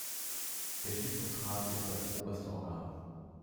Der Stiftungsrat ist das oberste Organ.